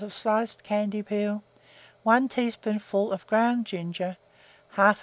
of sliced candied peel, 1 teaspoonful of ground ginger, 1/2 lb.